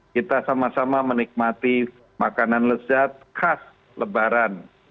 kita sama sama menikmati makanan lezat khas lebaran